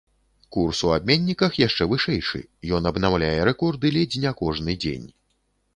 Курс у абменніках яшчэ вышэйшы, ён абнаўляе рэкорды ледзь не кожны дзень.